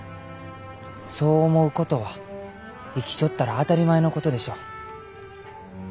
そう思うことは生きちょったら当たり前のことでしょう。